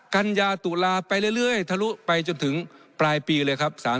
กัญญาตุลาไปเรื่อยทะลุไปจนถึงปลายปีเลยครับ